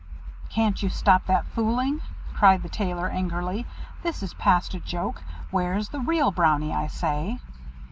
"Can't you stop that fooling?" cried the Tailor, angrily. "This is past a joke. Where is the real Brownie, I say?"